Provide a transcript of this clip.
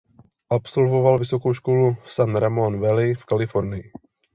Absolvoval vysokou školu v San Ramon Valley v Kalifornii.